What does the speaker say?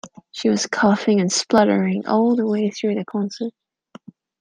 She was coughing and spluttering all the way through the concert.